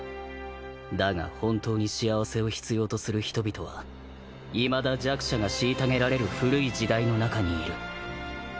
だが本当に幸せを必要とする人々はいまだ弱者が虐げられる古い時代の中にいる。